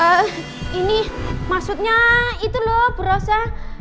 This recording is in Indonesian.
eh ini maksudnya itu loh bu rosa